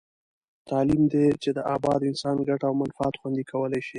تعلیم دی چې د اباد انسان ګټه او منفعت خوندي کولای شي.